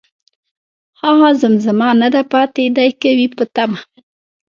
هغه زمزمه نه ده پاتې، ،دی که وي په تمه